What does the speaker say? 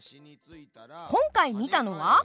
今回見たのは。